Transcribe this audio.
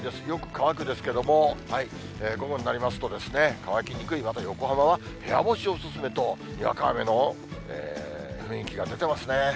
よく乾くですけれども、午後になりますと、乾きにくい、また横浜は部屋干しお勧めと、にわか雨の雰囲気が出てますね。